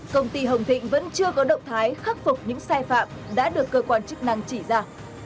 công ty hồng thịnh vẫn chưa có động thái khắc phục những sai phạm đã được cơ quan chức năng chỉ ra